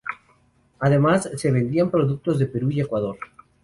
Además, se vendían productos de Perú y Ecuador.